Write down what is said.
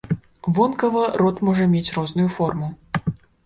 Вонкава рот можа мець розную форму.